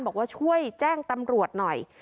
บอกว่าช่วยแจ้งตำรวจหน่อย